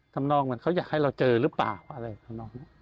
สำนองเหมือนเขาอยากให้เราเจอหรือเปล่า